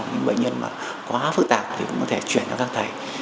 những bệnh nhân mà quá phức tạp thì cũng có thể chuyển cho các thầy